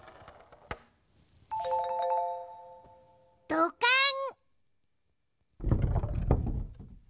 どかん！